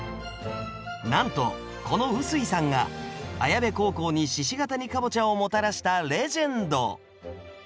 なんとこの碓井さんが綾部高校に鹿ケ谷かぼちゃをもたらしたレジェンド。